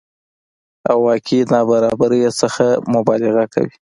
او واقعي نابرابرۍ څخه مبالغه کوي